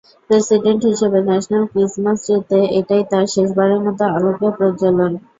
President হিসেবে national Christmas ট্রিতে এটাই তাঁর শেষবারের মতো আলোক প্রজ্বালন।